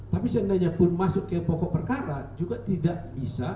tapi seandainya pun masuk ke pokok perkara juga tidak bisa